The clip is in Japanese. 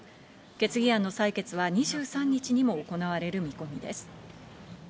決議案の採決は２３日にも行われる見込みです。